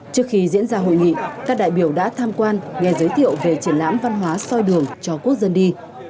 trước khi diễn ra hội nghị các đại biểu đã tham quan nghe giới thiệu về triển lãm văn hóa soi đường cho quốc dân đi